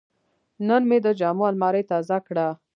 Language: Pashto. نن مې د جامو الماري تازه کړه.